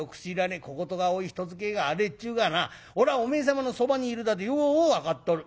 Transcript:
小言が多い人使えが荒えっちゅうがなおらはおめえ様のそばにいるだでよう分かっとる。